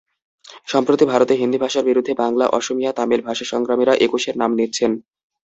সম্প্রতি ভারতে হিন্দি ভাষার বিরুদ্ধে বাংলা, অসমিয়া, তামিল ভাষাসংগ্রামীরা একুশের নাম নিচ্ছেন।